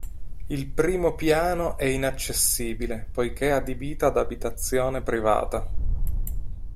Il primo piano è inaccessibile poiché adibito ad abitazione privata.